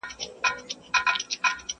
څه به زر کلونه د خیالي رستم کیسه کوې؛